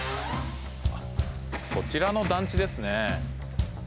こちらの団地ですね。